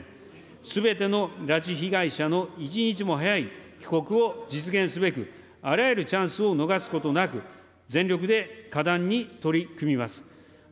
すべての拉致被害者の一日も早い帰国を実現すべく、あらゆるチャンスを逃すことなく、全力で果断に取り組みます。